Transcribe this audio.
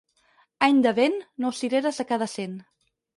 Any de vent, nou cireres de cada cent.